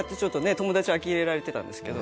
友達にあきれられてたんですけど。